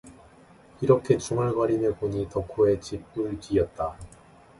이렇게 중얼거리며 보니 덕호의 집 울 뒤였다.